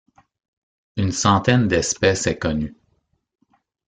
Une centaine d'espèces est connue.